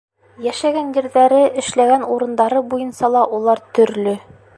Йәшәгән ерҙәре, эшләгән урындары буйынса ла улар төрлө.